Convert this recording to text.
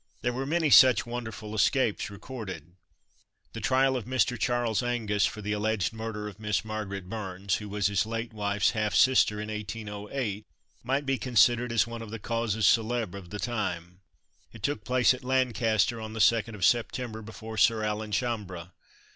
There were many such wonderful escapes recorded. The trial of Mr. Charles Angus for the alleged murder of Miss Margaret Burns (who was his late wife's half sister) in 1808, may be considered as one of the causes celebres of the time. It took place at Lancaster, on the 2nd of September, before Sir Alan Chambre.